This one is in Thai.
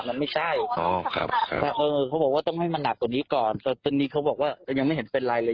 มันไม่ใช่เขาบอกว่าต้องให้มันหนักกว่านี้ก่อนตอนนี้เขาบอกว่าจะยังไม่เห็นเป็นไรเลย